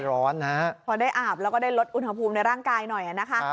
พอได้อาบแล้วก็ได้ลดอุณหภูมิในร่างกายหน่อยนะคะ